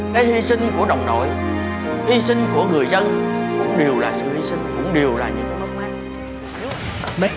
cái hy sinh của đồng đội hy sinh của người dân cũng đều là sự hy sinh cũng đều là sự mỏng manh